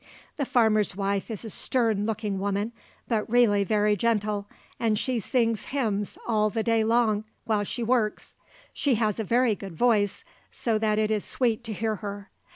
The farmer's wife is a stern looking woman, but really very gentle, and she sings hymns all the day long while she works. She has a very good voice, so that it is sweet to hear her.